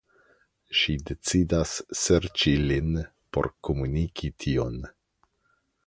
Ŝi decidas serĉi lin por komuniki tion.